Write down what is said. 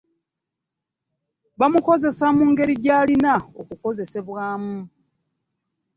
Bamukozesa mu ngeri gy'alina okukozesebwamu.